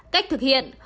cách thực hiện